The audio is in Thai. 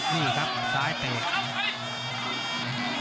นี่ครับซ้ายเตะ